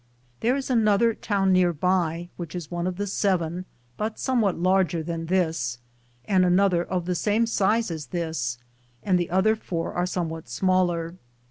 There is another town near by, which is one of the seven, but somewhat larger than this, and another of the same size as this, and the other four are somewhat smaller.